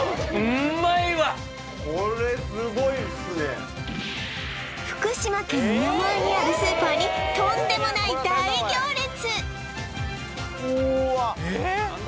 うまいわこれすごいっすね福島県の山あいにあるスーパーにとんでもない大行列うーわえーっ！